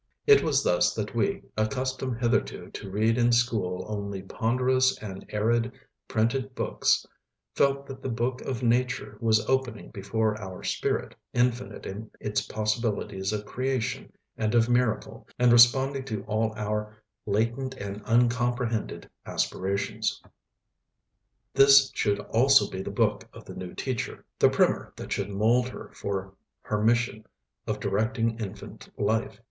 It was thus that we, accustomed hitherto to read in school only ponderous and arid printed books, felt that the book of Nature was opening before our spirit, infinite in its possibilities of creation and of miracle, and responding to all our latent and uncomprehended aspirations. This should also be the book of the new teacher, the primer that should mold her for her mission of directing infant life.